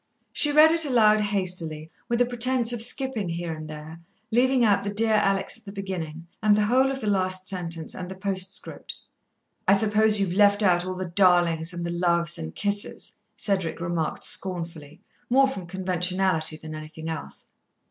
She read it aloud hastily, with a pretence of skipping here and there, leaving out the "dear Alex" at the beginning, and the whole of the last sentence and the postscript. "I suppose you've left out all the darlings and the loves and kisses," Cedric remarked scornfully, more from conventionality than anything else.